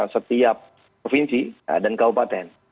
setiap provinsi dan kabupaten